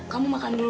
kamu makan dulu ya